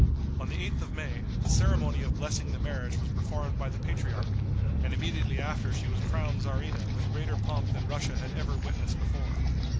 On the 8th of May, the ceremony of blessing the marriage was performed by the patriarch, and immediately after she was crowned tzarina with greater pomp than Russia had ever witnessed before.